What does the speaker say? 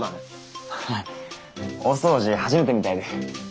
はい大掃除初めてみたいで。